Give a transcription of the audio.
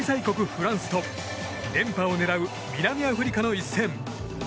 フランスと連覇を狙う南アフリカの一戦。